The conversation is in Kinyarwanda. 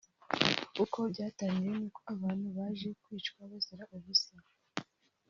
uko byatangiye n’uko abantu baje kwicwa bazira ubusa